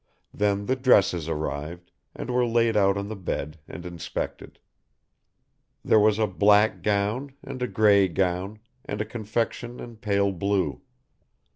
Then the dresses arrived, and were laid out on the bed and inspected. There was a black gown and a grey gown and a confection in pale blue.